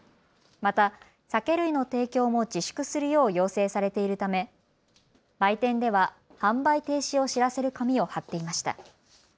また酒類の提供も自粛するよう要請されているため売店では販売停止を知らせる紙を貼っていました。